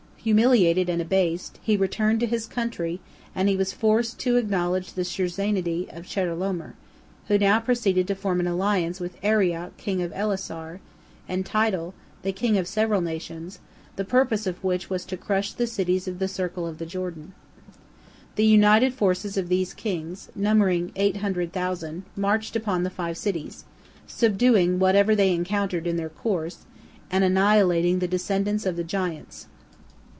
Humiliated and abased, he returned to his country, and he was forced to acknowledge the suzerainty of Chedorlaomer, who now proceeded to form an alliance with Arioch king of Ellasar, and Tidal, the king of several nations, the purpose of which was to crush the cities of the circle of the Jordan. The united forces of these kings, numbering eight hundred thousand, marched upon the five cities, subduing whatever they encountered in their course, and annihilating the descendants of the giants.